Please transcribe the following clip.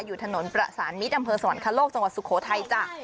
อยู่ถนนประสานมิตรอำเภอสวรรคโลกจังหวัดสุโขทัยจ้ะ